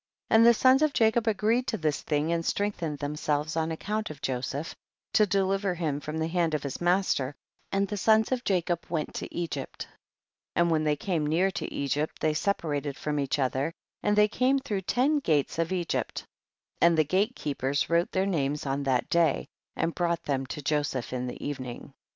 7. And the sons of Jacob agreed to this thing and strengthened them selves on account of Joseph, to de liver him from the hand of his mas ter, and the sons of Jacob went to Egypt ; and when they came near to Egypt they separated from each other and they came through ten gates of Egypt, and the gate keepers wrote their names on that day, and brought them to Joseph in the evening.